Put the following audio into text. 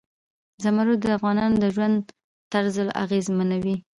زمرد د افغانانو د ژوند طرز اغېزمنوي.